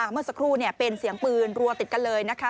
เมื่อสักครู่เป็นเสียงปืนรัวติดกันเลยนะคะ